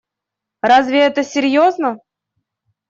Разве это серьезно?